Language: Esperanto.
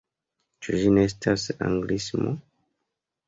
Ĉu ĝi ne estas anglismo?